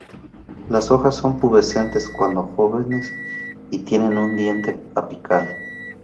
Las hojas son pubescentes cuando jóvenes, y tienen un diente apical.